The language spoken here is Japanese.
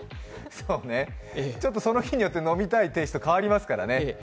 その日によって飲みたいテイスト変わりますからね。